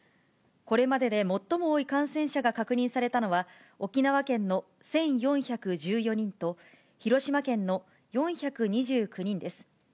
これまでで最も多い感染者が確認されたのは、沖縄県の１４１４人と、広島県の４２９人です。